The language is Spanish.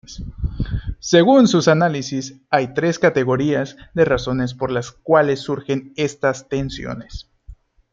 Según su análisis, hay tres categorías de razones por las cuales surgen estas tensiones.